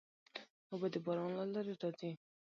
اوبه د باران له لارې راځي.